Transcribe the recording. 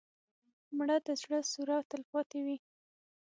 مړه د زړه سوره تل پاتې وي